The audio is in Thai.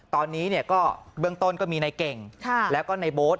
ตอนนี้ก็เบื้องต้นก็มีในเก่งแล้วก็ในโบ๊ท